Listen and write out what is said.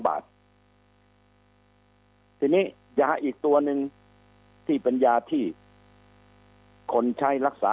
บาททีนี้ยาอีกตัวหนึ่งที่เป็นยาที่คนใช้รักษา